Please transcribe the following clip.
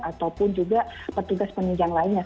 ataupun juga petugas penunjang lainnya